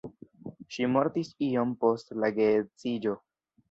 Ŝi mortis iom post la geedziĝo.